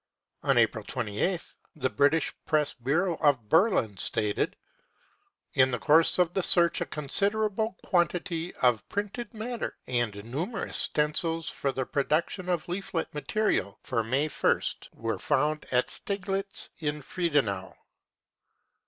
On April 28th the police press bureau of Berlin stated :" In the course of the search a considerable quantity of printed matter and numerous stencils for the production of leaflet material for May 1st were found in Steglitz and Friedenau."